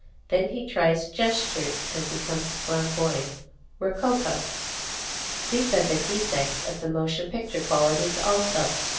Then he tries gestures, and becomes flamboyant, rococo. These are the defects of the motion picture qualities also.